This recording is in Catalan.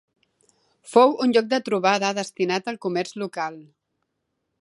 Fou un lloc de trobada destinat al comerç local.